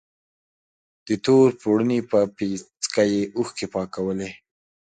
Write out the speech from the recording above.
د تور پوړني په پيڅکه يې اوښکې پاکولې.